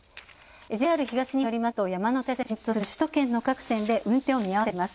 ＪＲ東海によりますと、山の手線を中心とする首都圏の各線で運転を見合わせています。